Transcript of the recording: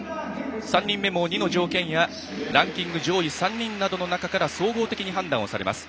３人目も２の条件やランキング上位３人などの中から総合的に判断をされます。